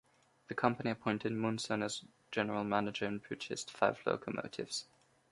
The company appointed Munson as general manager and purchased five locomotives.